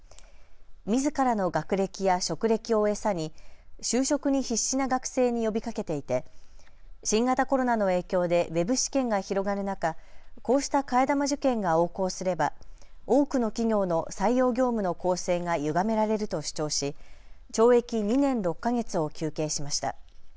みずからの学歴や職歴を餌に就職に必死な学生に呼びかけていて新型コロナの影響でウェブ試験が広がる中、こうした替え玉受験が横行すれば多くの企業の採用業務の公正がゆがめられると主張し懲役２年６か月を求刑しました。